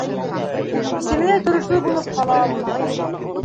Исеменә торошло булып ҡала алманы.